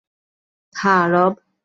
হ্যাঁ, রব।